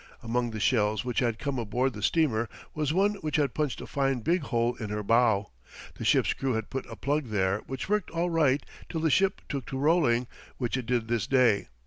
Among the shells which had come aboard the steamer was one which had punched a fine big hole in her bow. The ship's crew had put a plug there which worked all right till the ship took to rolling, which it did this day.